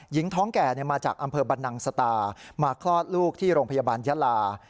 หญิงท้องแก่มาจากอำเภอบรรนังสตามาคลอดลูกที่โรงพยาบาลยาลา